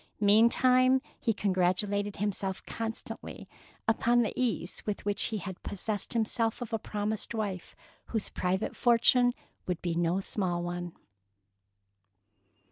Meantime, he congratulated himself constantly upon the ease with which he had possessed himself of a promised wife whose private fortune would be no small one.